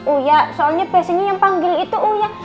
uya soalnya biasanya yang panggil itu uya